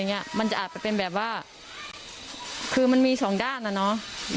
อย่างเงี้ยมันจะอาจจะเป็นแบบว่าคือมันมีสองด้านน่ะเนอะ